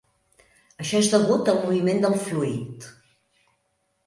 Això és degut al moviment del fluid.